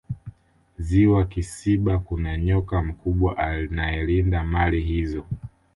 ziwa kisiba kuna nyoka mkubwa anaelinda mali hizo